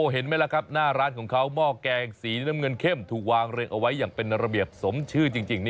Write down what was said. เห็นไหมล่ะครับหน้าร้านของเขาหม้อแกงสีน้ำเงินเข้มถูกวางเรียงเอาไว้อย่างเป็นระเบียบสมชื่อจริง